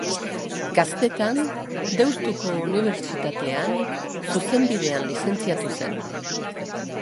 Gaztetan, Deustuko Unibertsitatean Zuzenbidean lizentziatu zen.